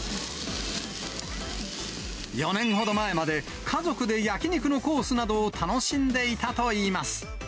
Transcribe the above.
４年ほど前まで、家族で焼き肉のコースなどを楽しんでいたといいます。